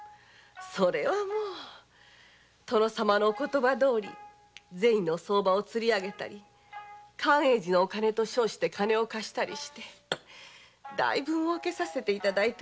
それはもう殿様のお言葉どおり銭の相場を釣りあげたり寛永寺のお金と称して金を貸したり大分もうけさせて頂いております。